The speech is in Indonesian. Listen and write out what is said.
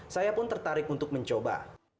saya pun tertarik untuk mencoba